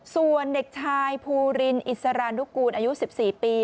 ส่วนเด็กชายภูรินอิสรานุกูลอายุ๑๔ปี